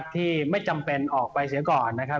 ที่ไม่จำเป็นออกไปเสียก่อนนะครับ